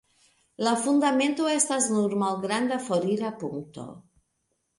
La fundamento estas nur malgranda forira punkto.